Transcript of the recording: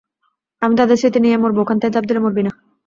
আমি তাদের স্মৃতি নিয়েই মরবো, ওখান থেকে ঝাঁপ দিলে মরবি না।